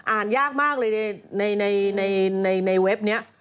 อ่านยากมากเลยในเว็บนี้